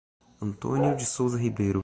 Antônio de Souza Ribeiro